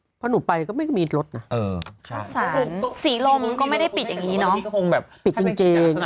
เพราะหนูไปก็ไม่มีรถน่ะศาลสีลมก็ไม่ได้ปิดอย่างนี้เนอะปิดจริง